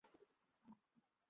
অনেকদিন তার দেখাই ছিল না।